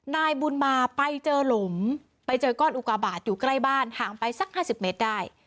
นายบุญมาไปเจอหลุมไปเจอก้อนอุกาบาทอยู่ใกล้บ้านห่างไปสัก๕๐เมตรได้